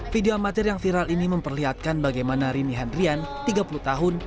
video amatir yang viral ini memperlihatkan bagaimana rini hendrian tiga puluh tahun